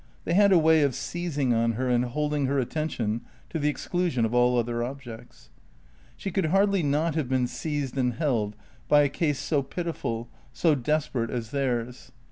They had a way of seizing on her and holding her attention to the exclusion of all other objects. She could hardly not have been seized and held by a case so pitiful, so desperate as theirs.